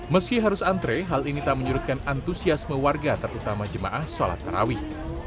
meski harus antre hal ini tak menyuruhkan antusias mewarga terutama jemaah sholat tarawih